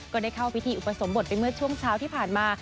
ก็ได้เข้าพิธีอุปสมบทไปเมื่อช่วงเช้าที่ผ่านมา